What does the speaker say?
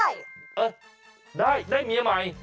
เออได้ได้มีเมียใหม่